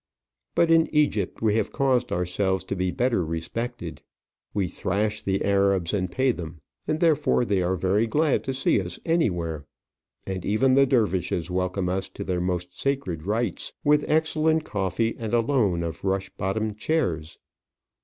But in Egypt we have caused ourselves to be better respected: we thrash the Arabs and pay them, and therefore they are very glad to see us anywhere. And even the dervishes welcome us to their most sacred rites, with excellent coffee, and a loan of rush bottomed chairs.